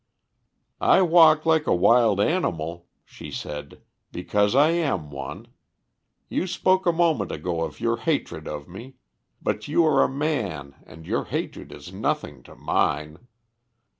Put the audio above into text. "I walk like a wild animal," she said, "because I am one. You spoke a moment ago of your hatred of me; but you are a man, and your hatred is nothing to mine.